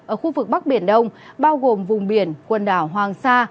ở khu vực bắc biển đông bao gồm vùng biển quần đảo hoàng sa